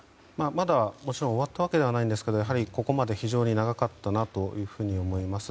まだ、もちろん終わったわけではないんですがやはり、ここまで非常に長かったなと思います。